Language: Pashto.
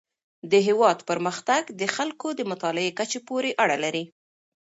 د هیواد پرمختګ د خلکو د مطالعې کچې پورې اړه لري.